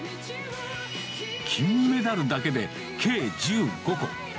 金メダルだけで計１５個。